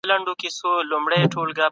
پلان جوړونه د پرمختګ اساس دی.